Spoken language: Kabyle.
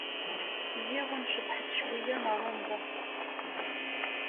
Yya-w ad nceḍḥet cwiyya n ṛṛamba.